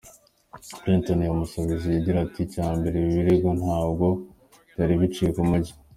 Clinton yamusubije agira ati "Icya mbere, Ibi birego ntabwo byari biciye mu mucyo.